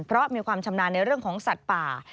เพราะมีความชำนาญในเรื่องของสัตว์ป่า